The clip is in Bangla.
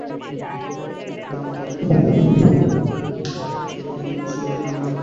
তারপর চুলায় প্যান বসিয়ে তাতে তেল গরম করুন।